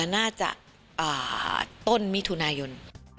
น่าจะต้นมิถุนายน